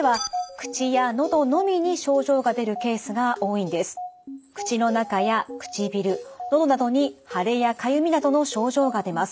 口の中や唇のどなどに腫れやかゆみなどの症状が出ます。